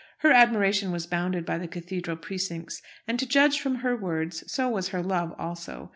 Her admiration was bounded by the cathedral precincts; and, to judge from her words, so was her love also.